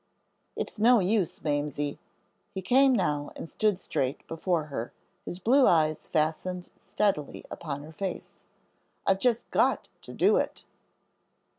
"It's no use, Mamsie," he came now and stood straight before her, his blue eyes fastened steadily upon her face; "I've just got to do it."